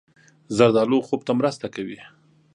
زردالو خوب ته مرسته کوي.